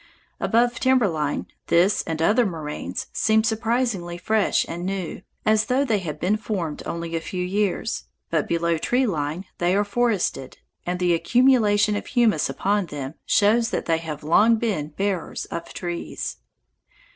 Above timber line this and other moraines seem surprisingly fresh and new, as though they had been formed only a few years, but below tree line they are forested, and the accumulation of humus upon them shows that they have long been bearers of trees.